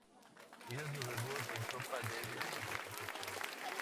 Hizo su debut en Copa Davis contra Pakistán.